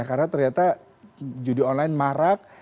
karena ternyata judi online marak